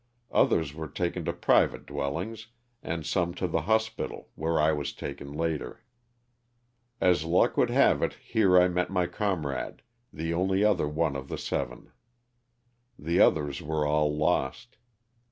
Others were taken to private dwellings, and some to the hospital where I was taken later. As luck would have it here I met my comrade, the only other one of the seven. The others were all lost.